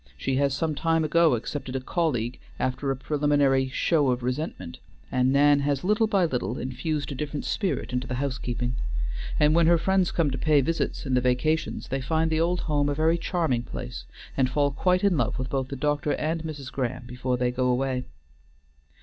She has some time ago accepted a colleague after a preliminary show of resentment, and Nan has little by little infused a different spirit into the housekeeping; and when her friends come to pay visits in the vacations they find the old home a very charming place, and fall quite in love with both the doctor and Mrs. Graham before they go away.